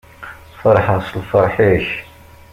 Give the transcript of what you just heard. Ferḥeɣ s lferḥ-ik.